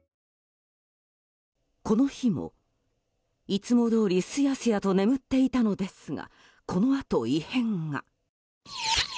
この日も、いつもどおりスヤスヤと眠っていたのですがこのあと、異変が。